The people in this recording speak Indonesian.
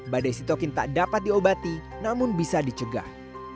badai sitokin tak dapat diobati namun bisa dicegah